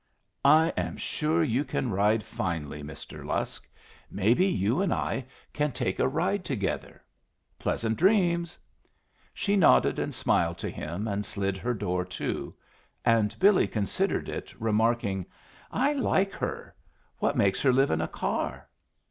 "I am sure you can ride finely, Mr. Lusk. Maybe you and I can take a ride together. Pleasant dreams!" She nodded and smiled to him, and slid her door to; and Billy considered it, remarking: "I like her. What makes her live in a car?"